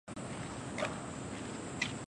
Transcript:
现时为香港田径队队员及教练。